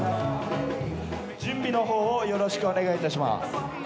準備のほうをよろしくお願いいたします。